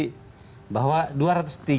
begini saya tidak sepakat dengan bang ferry